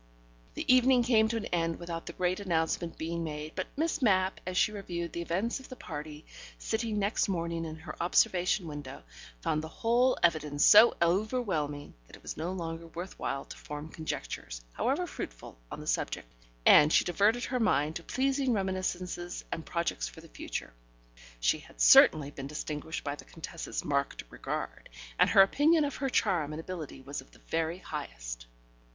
The evening came to an end without the great announcement being made, but Miss Mapp, as she reviewed the events of the party, sitting next morning in her observation window, found the whole evidence so overwhelming that it was no longer worth while to form conjectures, however fruitful, on the subject, and she diverted her mind to pleasing reminiscences and projects for the future. She had certainly been distinguished by the Contessa's marked regard, and her opinion of her charm and ability was of the very highest.